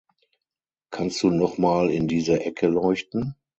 Kannst du noch mal in diese Ecke leuchten?